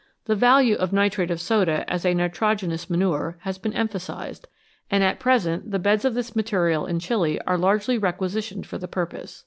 The value of nitrate of soda as a nitrogenous manure has been emphasised, and at present the beds of this material in Chili are largely requisitioned for the purpose.